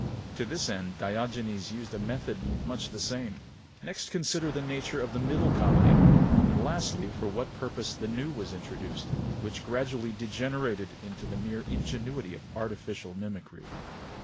To this end Diogenes used a method much the same. Next consider the nature of the Middle Comedy; and lastly for what purpose the New was introduced, which gradually degenerated into the mere ingenuity of artificial mimicry.